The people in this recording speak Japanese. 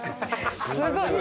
すごい。